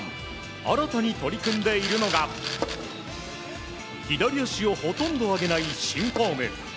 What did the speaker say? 新たに取り組んでいるのが左足をほとんど上げない新フォーム。